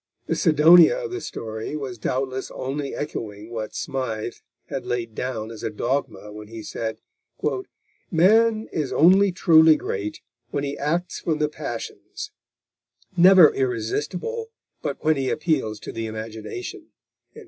The Sidonia of the story was doubtless only echoing what Smythe had laid down as a dogma when he said: "Man is only truly great when he acts from the passions, never irresistible but when he appeals to the imagination."